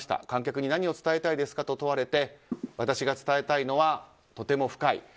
観客に何を伝えたいかと問われて、私が伝えたいのはとても深い。